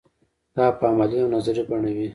دا په عملي او نظري بڼه وي.